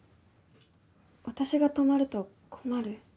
私が泊まると困る？